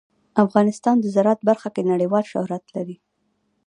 افغانستان د زراعت په برخه کې نړیوال شهرت لري.